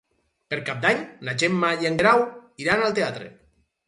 Per Cap d'Any na Gemma i en Guerau iran al teatre.